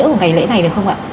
của ngày lễ này được không ạ